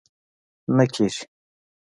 نه کېږي!